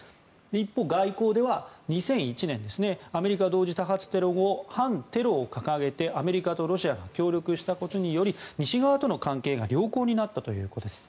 一方、外交では２００１年アメリカ同時多発テロ後反テロを掲げてアメリカとロシアが協力したことにより西側との関係が良好になったということです。